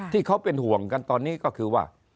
ที่เขาเป็นห่วงกันตอนนี้ก็คือว่า